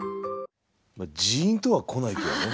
まあジーンとはこないけどね。